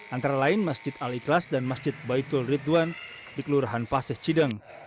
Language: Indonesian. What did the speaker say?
antara lain masjid al ikhlas dan masjid baitul ridwan di kelurahan paseh cideng